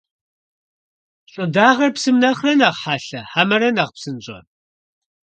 ЩӀыдагъэр псым нэхърэ нэхъ хьэлъэ хьэмэрэ нэхъ псынщӀэ?